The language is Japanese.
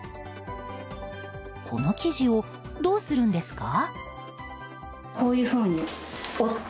この生地をどうするんですか？